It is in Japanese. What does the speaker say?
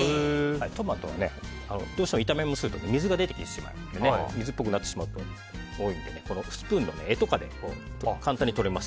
トマトはどうしても炒め物をすると水が出てきてしまうので水っぽくなってしまうことが多いのでスプーンのえとかで簡単に取れます。